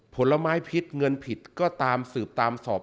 ผลไม้พิษเงินผิดก็ตามสืบตามสอบ